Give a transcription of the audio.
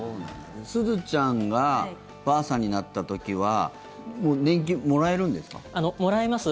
すずちゃんがばあさんになった時はもらえます。